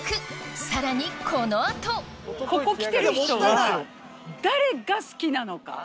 さらにこの後ここ来てる人は誰が好きなのか？